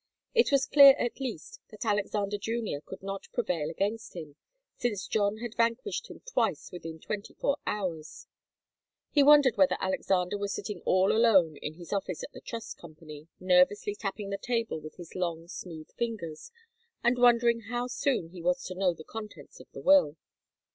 It was clear, at least, that Alexander Junior could not prevail against him, since John had vanquished him twice within twenty four hours. He wondered whether Alexander were sitting all alone in his office at the Trust Company, nervously tapping the table with his long, smooth fingers, and wondering how soon he was to know the contents of the will.